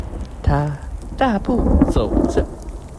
他大步走著